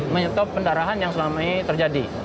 menyetop pendarahan yang selamanya terjadi